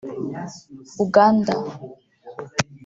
Uganda…”